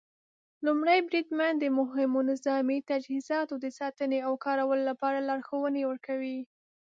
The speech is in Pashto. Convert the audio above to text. لومړی بریدمن د مهمو نظامي تجهیزاتو د ساتنې او کارولو لپاره لارښوونې ورکوي.